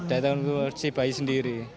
daya tahan tubuh si bayi sendiri